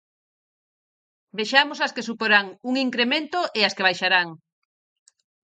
Vexamos as que suporán un incremento e as que baixarán.